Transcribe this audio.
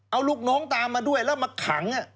เอาลูกน้องตามมาด้วยแล้วมาขัง